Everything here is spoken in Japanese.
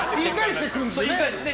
言い返してきて。